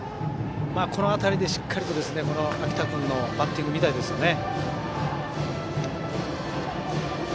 この辺りでしっかりと秋田君のバッティングを見たいですね。